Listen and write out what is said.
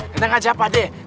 tenang aja pandai